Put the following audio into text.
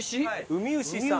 ウミウシさん。